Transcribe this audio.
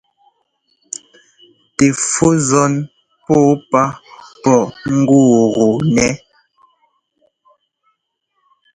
Tɛ fú zɔ́n pɔ́ɔ páa pɔ́ ŋ́gɔ́ɔgɔ́ɔnɛ́.